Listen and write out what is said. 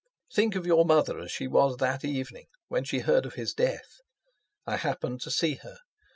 Think of your mother as she was that evening when she heard of his death. I happened to see her.